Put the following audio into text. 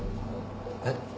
えっ？